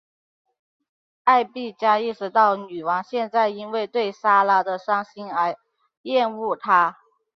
艾碧嘉意识到女王现在因为对莎拉的伤心而厌恶她。